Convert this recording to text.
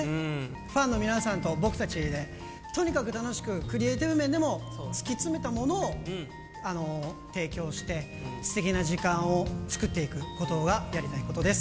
ファンの皆さんと僕たちで、とにかく楽しく、クリエーティブ面でも突き詰めたものを提供して、すてきな時間を作っていくことがやりたいことです。